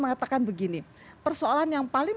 mengatakan begini persoalan yang paling